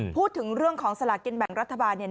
พูดถึงเรื่องของสลากินแบ่งรัฐบาลเนี่ย